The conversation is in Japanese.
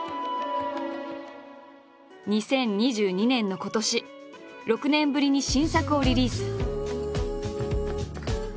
２０２２年の今年６年ぶりに新作をリリース。